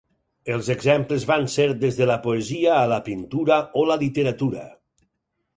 Els exemples van des de la poesia a la pintura o la literatura.